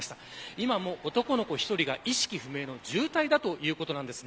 今も男の子１人が意識不明の重体だということです。